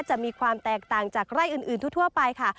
จะมีความแตกต่างจากไร่อื่นทั่วไปค่ะ